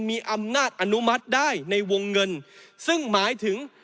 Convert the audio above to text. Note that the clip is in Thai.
มีอำนาจอนุมัติได้ในวงเงินซึ่งหมายถึง